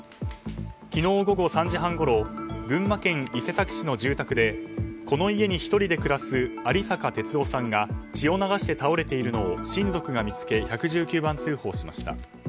昨日午後３時半ごろ群馬県伊勢崎市の住宅でこの家に１人で暮らす有坂鉄男さんが血を流して倒れているのを親族が見つけ１１９番通報しました。